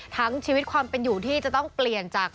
ชีวิตความเป็นอยู่ที่จะต้องเปลี่ยนจาก